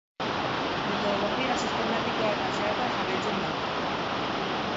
Metodologia sistematikoa eta zehatza jarraitzen da.